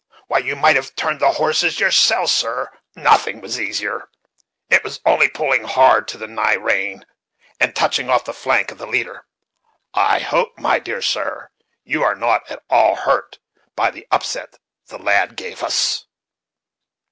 Why, you might have turned the horses yourself, sir; nothing was easier; it was only pulling hard on the nigh rein, and touching the off flank of the leader. I hope, my dear sir, you are not at all hurt by the upset the lad gave us?"